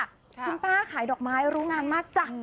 คุณป้าขายดอกไม้รู้งานมากจ้ะ